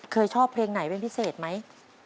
เคยชอบเพลงไหนเป็นพิเศษไหม